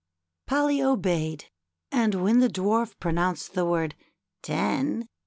Polly obeyed, and Avhen the Dwarf pronounced the word " ten !